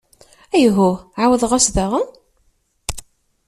Ayhuh, εawdeɣ-as daɣen!